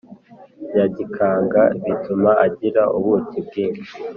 yagikaga, bituma agira ubuki bwinshi